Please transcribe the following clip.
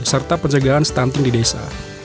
serta pencegahan stunting di desa